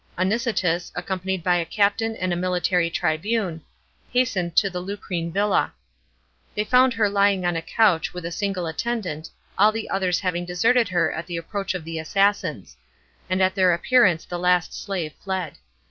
Anicetus, accompanied by a captain and a military tribune, hastene 1 to the Lucrine villa. They found her lying on a couch, with a single attendant, all the others having deserted her at the approach of the assassins; and at their appearance the last slave fled.